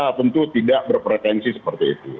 kita tentu tidak berpretensi seperti itu